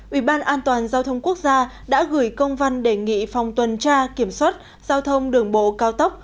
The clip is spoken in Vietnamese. ủy ban an toàn giao thông quốc gia đã gửi công văn đề nghị phòng tuần tra kiểm soát giao thông đường bộ cao tốc